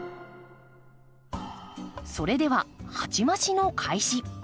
それでは鉢増しの開始。